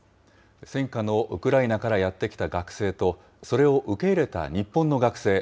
戦禍のウクライナからやって来た学生と、それを受け入れた日本の学生。